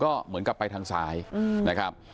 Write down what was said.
ก็เหมือนกับไปทางซ้ายนะครับ